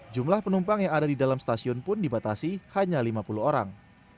jumlah penumpang yang ada di dalam stasiun pun dibatasi hanya lima puluh orang